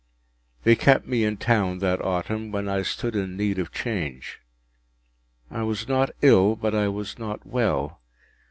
They kept me in town that autumn, when I stood in need of change. I was not ill, but I was not well.